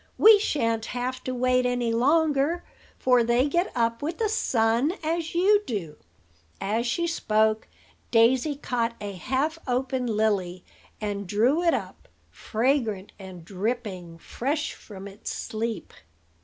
We shan't have to wait any longer; for they get up with the sun, as you do." As she spoke, Daisy caught a half open lily, and drew it up, fragrant and dripping, fresh from its sleep.